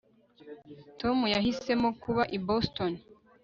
tom yahisemo kuba i boston